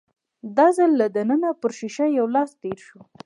دا ځل له دننه پر ښيښه يو لاس تېر شو.